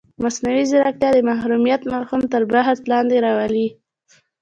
مصنوعي ځیرکتیا د محرمیت مفهوم تر بحث لاندې راولي.